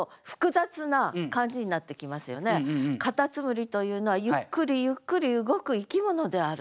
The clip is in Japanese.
蝸牛というのはゆっくりゆっくり動く生き物であると。